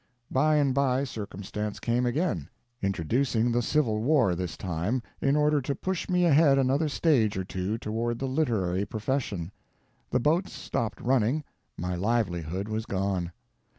By and by Circumstance came again—introducing the Civil War, this time, in order to push me ahead another stage or two toward the literary profession. The boats stopped running, my livelihood was gone.